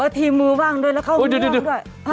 ทีมือว่างด้วยแล้วเค้าง่วงด้วย